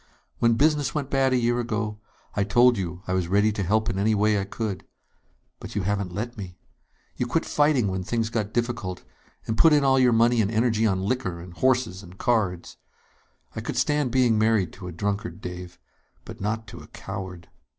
When business went bad a year ago, I told you I was ready to help in any way I could. But you haven't let me. You quit fighting when things got difficult, and put in all your money and energy on liquor and horses and cards. I could stand being married to a drunkard, Dave, but not to a coward